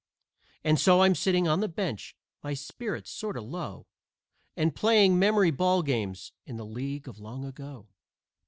And so I'm sitting on the bench, my spirits sort o' low, And playing memory ball games in the League of Long Ago.